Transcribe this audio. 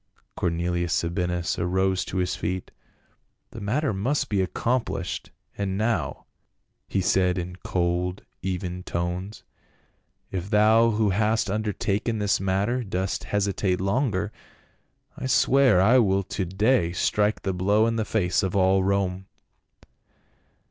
Cornelius Sabinus arose to his feet. "The matter must be accomplished, and now," he said in cold even tones. " If thou who hast undertaken this matter do.st hesitate longer, I swear that I will to day strike the blow in the face of all Rome."